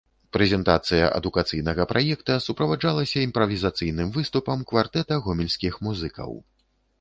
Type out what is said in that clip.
Прэзентацыя адукацыйнага праекта суправаджалася імправізацыйным выступам квартэта гомельскіх музыкаў.